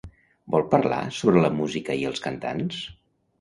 Vol parlar sobre la música i els cantants?